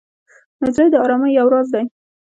نجلۍ د ارامۍ یو راز دی.